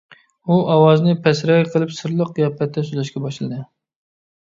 ئۇ ئاۋازىنى پەسرەك قىلىپ سىرلىق قىياپەتتە سۆزلەشكە باشلىدى.